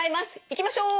いきましょう！